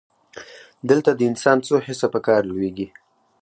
دلته د انسان څو حسه په کار لویږي.